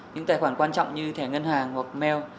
những tài khoản quan trọng như thẻ ngân hàng hoặc mail